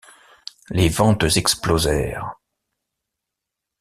Les ventes explosèrent.